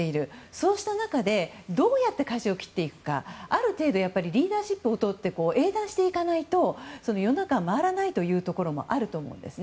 そうした中でどうやってかじを切っていくかやはり、ある程度リーダーシップをとって英断していかないと世の中が回らないというところもあると思うんです。